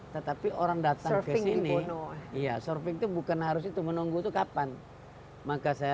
tetapi orang datang ke sini ya surfing itu bukan harus itu menunggu itu kapan maka saya